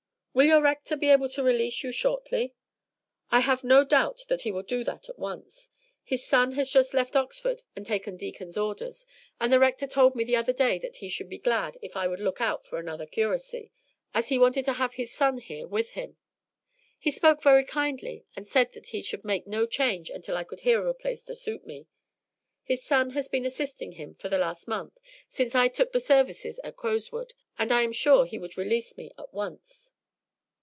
"Will your Rector be able to release you shortly?" "I have no doubt that he will do that at once. His son has just left Oxford and taken deacon's orders; and the Rector told me the other day that he should be glad if I would look out for another curacy, as he wanted to have his son here with him. He spoke very kindly, and said that he should make no change until I could hear of a place to suit me. His son has been assisting him for the last month, since I took the services at Crowswood, and I am sure he would release me at once."